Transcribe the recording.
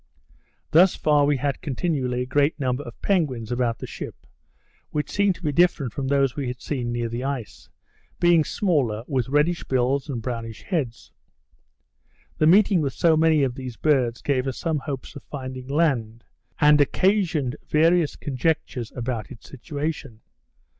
Thus far we had continually a great number of penguins about the ship, which seemed to be different from those we had seen near the ice; being smaller, with reddish bills and brownish heads. The meeting with so many of these birds, gave us some hopes of finding land, and occasioned various conjectures about its situation.